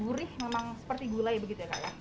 gurih memang seperti gulai begitu ya kak ya